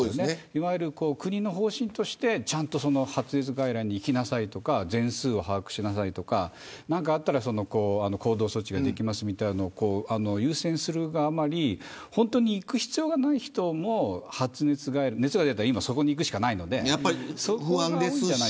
いわゆる国の方針として発熱外来に行きなさいとか全数を把握しなさいとか何かあったら行動措置ができますというのを優先するあまり本当に行く必要がない人も発熱外来熱が出たらそこに行くしかないので久住先生。